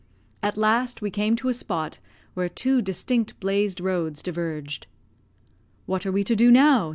At last we came to a spot where two distinct blazed roads diverged. "What are we to do now?"